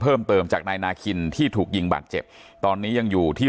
เพิ่มเติมจากนายนาคินที่ถูกยิงบาดเจ็บตอนนี้ยังอยู่ที่